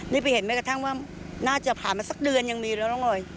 นี่ไปเห็นแม้กระทั่งว่าน่าจะผ่านมาสักเดือนยังมีแล้วน้องเอ๋ย